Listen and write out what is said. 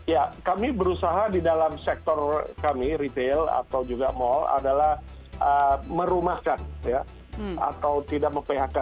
ya kami berusaha di dalam sektor kami retail atau juga mal adalah merumahkan atau tidak mem phk